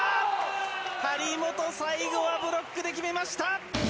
張本、最後はブロックで決めました。